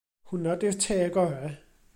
Hwnna 'di'r te gorau.